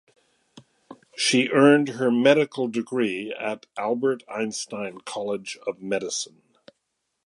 She earned her medical degree at Albert Einstein College of Medicine.